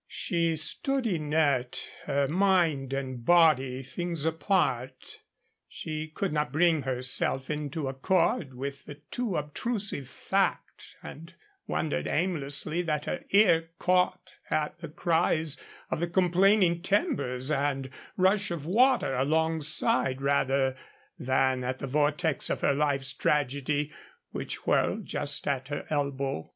She stood inert, her mind and body things apart. She could not bring herself into accord with the too obtrusive fact, and wondered aimlessly that her ear caught at the cries of the complaining timbers and rush of water alongside, rather than at the vortex of her life's tragedy which whirled just at her elbow.